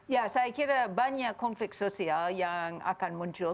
ya saya kira banyak konflik sosial yang akan muncul